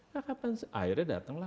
nah kapan akhirnya datanglah